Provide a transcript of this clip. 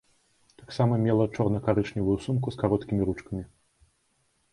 Таксама мела чорна-карычневую сумку з кароткімі ручкамі.